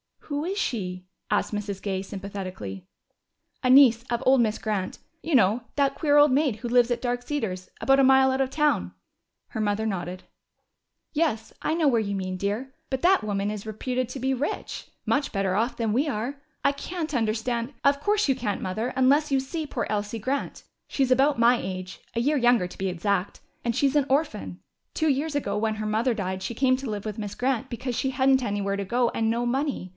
"Who is she?" asked Mrs. Gay sympathetically. "A niece of old Miss Grant. You know that queer old maid who lives at Dark Cedars. About a mile out of town." Her mother nodded. "Yes, I know where you mean, dear. But that woman is reputed to be rich much better off than we are. I can't understand " "Of course you can't, Mother, unless you see poor Elsie Grant. She's about my age a year younger, to be exact and she's an orphan. Two years ago, when her mother died, she came to live with Miss Grant because she hadn't anywhere to go and no money.